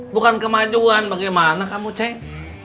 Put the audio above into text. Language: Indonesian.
bukan kemajuan bagaimana kamu cek